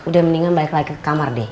udah mendingan balik lagi ke kamar deh